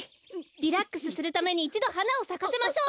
リラックスするためにいちどはなをさかせましょう。